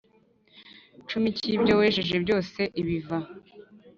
Cumi cy ibyo wejeje byose ibiva